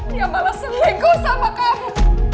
dia malah selinggo sama kamu